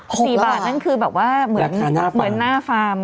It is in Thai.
สี่บาทนั่นคือแบบว่าเหมือนหน้าฟาร์ม